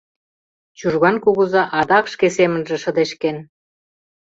Чужган кугыза адак шке семынже шыдешкен.